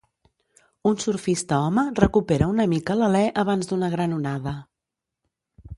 Un surfista home recupera una mica l'alè abans d'una gran onada.